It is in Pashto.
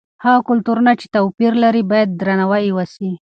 هغه کلتورونه چې توپیر لري باید درناوی یې وسي.